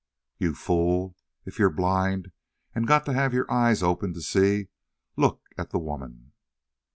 "You fool, if you're blind and got to have your eyes open to see, look at the woman!"